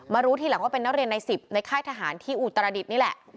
รู้ทีหลังว่าเป็นนักเรียนใน๑๐ในค่ายทหารที่อุตรดิษฐ์นี่แหละ